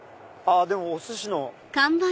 でもお寿司の。